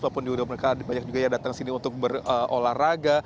walaupun juga mereka banyak yang datang sini untuk berolahraga